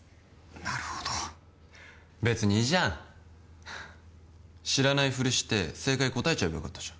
なるほど別にいいじゃん知らないフリして正解答えちゃえばよかったじゃん